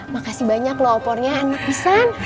makasih banyak loh opornya anak pisang